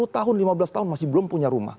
sepuluh tahun lima belas tahun masih belum punya rumah